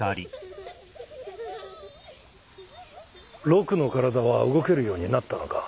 六の体は動けるようになったのか？